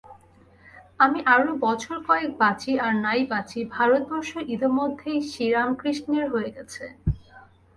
আমি আরও বছর-কয়েক বাঁচি আর নাই বাঁচি, ভারতবর্ষ ইতোমধ্যেই শ্রীরামকৃষ্ণের হয়ে গেছে।